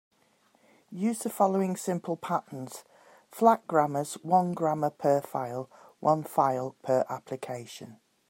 Use the following simple patterns: flat grammars, one grammar per file, one file per application.